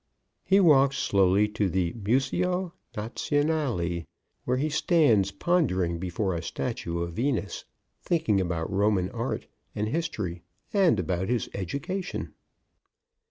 "_) He walks slowly to the Museo Nazionale, where he stands pondering before a statue of Venus, thinking about Roman art and history and about his Education.